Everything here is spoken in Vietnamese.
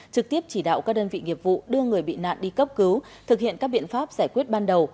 trực tiếp chỉ đạo các đơn vị nghiệp vụ đưa người bị nạn đi cấp cứu thực hiện các biện pháp giải quyết ban đầu